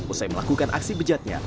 usai melakukan aksi bejatnya